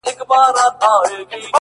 په موږ کي بند دی;